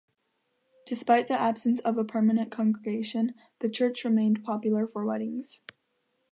Despite the absence of a permanent congregation, the church remained popular for weddings.